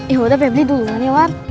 ya udah febri duluan ya ward